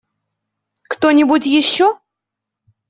Кто-нибудь еще?